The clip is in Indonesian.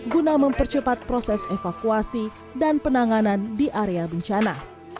guna mempercepat proses evakuasi dan penanganan di area bencana